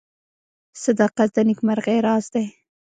• صداقت د نیکمرغۍ راز دی.